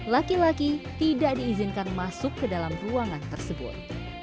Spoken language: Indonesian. laki laki tidak diizinkan masuk ke dalam ruangan tersebut